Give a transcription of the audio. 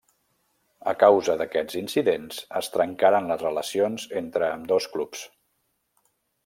A causa d'aquests incidents es trencaren les relacions entre ambdós clubs.